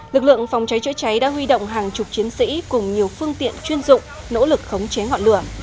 lực lượng phòng cháy chữa cháy đã huy động hàng chục chiến sĩ cùng nhiều phương tiện chuyên dụng nỗ lực khống chế ngọn lửa